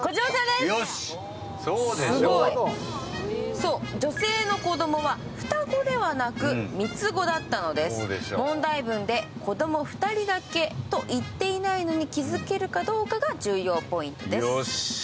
そう、女性の子供は双子ではなく、三つ子だったのです問題文で子供２人だけと言っていないのに気づけるかどうかが重要ポイントです。